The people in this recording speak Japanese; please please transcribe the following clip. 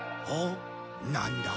なんだ？